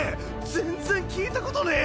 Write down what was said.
全然聞いたことねぇ！